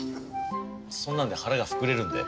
そんなんで腹が膨れるんで？